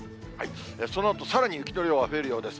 そのあと、さらに雪の量は増えるようです。